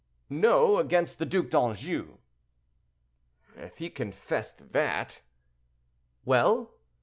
"No; against the Duc d'Anjou." "If he confessed that—" "Well?"